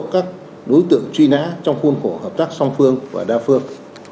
các đối tượng truy nã trong khuôn khổ hợp tác song phương và đa phương